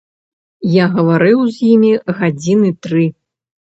Я гаварыў з імі гадзіны тры.